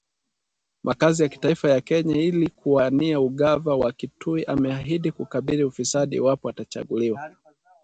makazi ya kitaifa ya Kenya ili kuwania ugava wa Kitui ameahidi kukabili ufisadi iwapo atachaguliwa